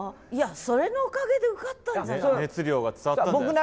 それのおかげで受かったんじゃない？